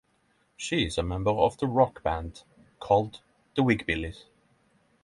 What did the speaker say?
She is a member of the rock band called The Wigbillies.